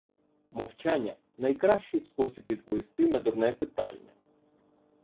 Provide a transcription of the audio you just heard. Мовчання - найкращий спосіб відповісти на дурне питання.